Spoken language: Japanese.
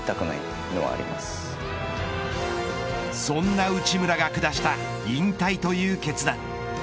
そんな内村が下した引退という決断。